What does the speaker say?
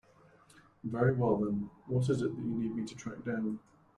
Very well then, what is it that you need me to track down?